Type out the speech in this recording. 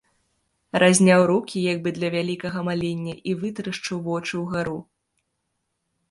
Разняў рукі як бы для вялікага малення і вытарашчыў вочы ўгару.